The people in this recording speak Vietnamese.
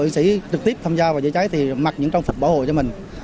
chiến sĩ trực tiếp tham gia vào chữa cháy mặc những trang phục bảo hộ cho mình